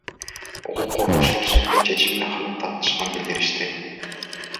Укук коргоочулар соттун чечимине канааттанышканын билдиришти.